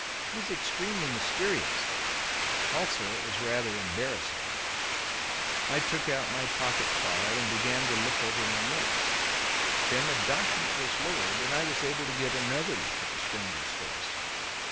It was extremely mysterious. Also, it was rather embarrassing. I took out my pocket file and began to look over my notes. Then the document was lowered and I was able to get another look at the stranger's face.